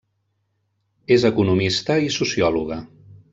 És economista i sociòloga.